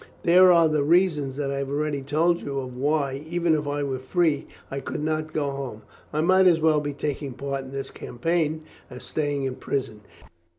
There are the reasons that I have already told you of why, even if I were free, I could not go home. I might as well be taking part in this campaign as staying in prison.